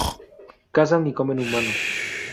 Cazan y comen humanos.